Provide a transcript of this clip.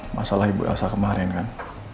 masalah ibu elsa kemarin kan